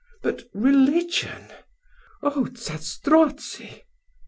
"But religion! Oh Zastrozzi!"